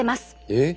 えっ！？